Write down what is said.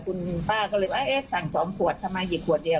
คุณป้าก็เลยว่าเอ๊ะสั่ง๒ขวดทำไมหยิบขวดเดียว